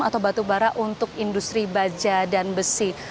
atau batubara untuk industri baja dan besi